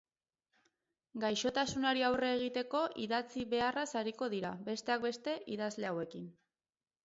Gaixotasunari aurre egiteko idatzi beharraz ariko dira, besteak beste, idazle hauekin.